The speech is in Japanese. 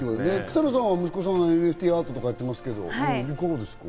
草野さん、息子さんがＮＦＴアートとかやってますけど、どうですか？